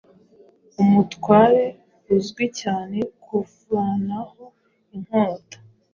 Umutware uzwi cyane kuvanaho inkota